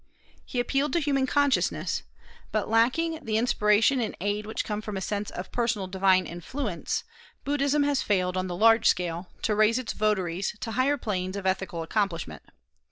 He appealed to human consciousness; but lacking the inspiration and aid which come from a sense of personal divine influence, Buddhism has failed, on the large scale, to raise its votaries to higher planes of ethical accomplishment.